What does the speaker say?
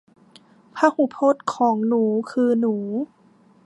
พหูพจน์ของหนูคือหนู